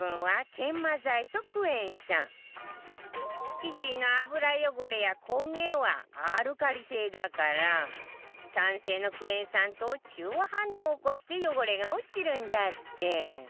キッチンの油汚れやコゲはアルカリ性だから酸性のクエン酸と中和反応を起こして汚れが落ちるんだって